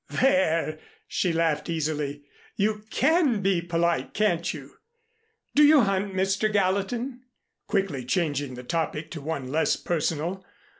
"There!" she laughed easily. "You can be polite, can't you? Do you hunt, Mr. Gallatin?" quickly changing the topic to one less personal.